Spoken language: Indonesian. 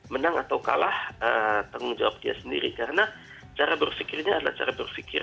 menang atau kalah tanggung jawab dia sendiri karena cara berpikirnya adalah cara berpikir